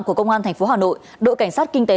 của công an tp hà nội đội cảnh sát kinh tế